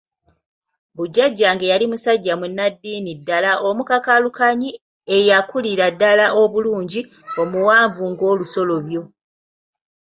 Mbu Jjajjange omusajja yali musajja munnaddiini ddala, omukakaalukanyi, eyakulira ddala obulungi, omuwanvu ng'olusolobyo.